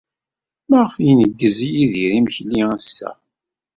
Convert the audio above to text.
Maɣef ay ineggez Yidir imekli ass-a?